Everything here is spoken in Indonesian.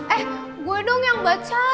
eh gue dong yang baca